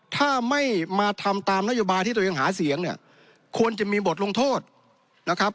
ถ้าไม่มาทำตามนโยบายที่ตัวเองหาเสียงเนี่ยควรจะมีบทลงโทษนะครับ